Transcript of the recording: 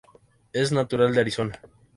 Es natural de Arizona.